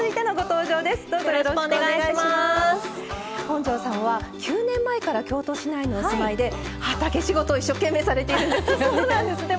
本上さんは９年前から京都市内にお住まいで畑仕事を一生懸命されているんですよね。